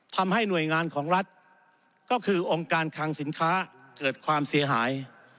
ทำให้หน่วยงานของรัฐก็คือองค์การคังสินค้าเกิดความเสียหาย